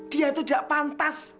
dia itu gak pantas